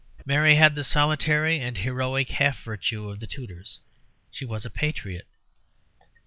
Mary had the solitary and heroic half virtue of the Tudors: she was a patriot.